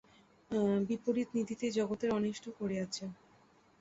বিপরীত নীতিই জগতের অনিষ্ট করিয়াছে।